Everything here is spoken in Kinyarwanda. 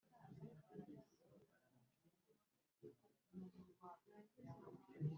Icyicaro mu Rwanda kiri i Kigali ku Akagari ka Kabasengerezi